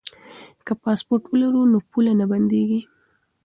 که پاسپورټ ولرو نو پوله نه بندیږي.